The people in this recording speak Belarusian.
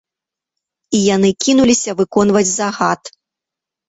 І яны кінуліся выконваць загад.